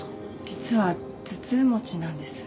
実は頭痛持ちなんです。